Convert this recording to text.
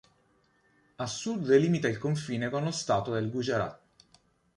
A sud delimita il confine con lo Stato del Gujarat.